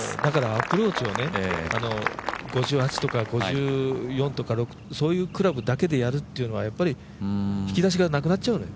アプローチは５８とか５４とか、そういうクラブだけでやるっていうのはやっぱり引き出しがなくなっちゃうの。